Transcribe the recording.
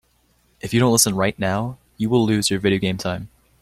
If you don't listen right now, you will lose your video game time.